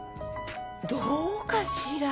どうかしら。